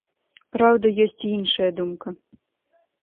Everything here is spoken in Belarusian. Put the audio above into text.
Праўда, ёсць і іншая думка.